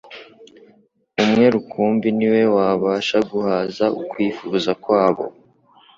Umwe rukumbi ni we wabasha guhaza ukwifuza kwabo.